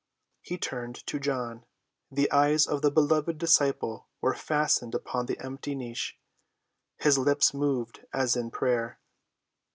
He turned to John. The eyes of the beloved disciple were fastened upon the empty niche, his lips moved as in prayer.